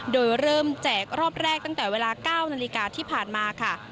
โดยเริ่มแจกรอบแรกตั้งแต่เวลา๙นาฬิกาที่ผ่านมาค่ะ